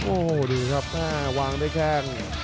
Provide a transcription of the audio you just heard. โอ้ดูครับวางในแข่ง